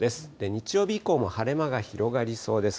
日曜日以降も晴れ間が広がりそうです。